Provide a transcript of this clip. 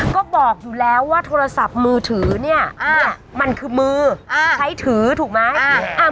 ก็บอกอยู่แล้วว่าโทรศัพท์มือถือเนี่ยมันคือมือใช้ถือถูกไหม